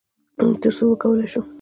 تر څو وکولی شو،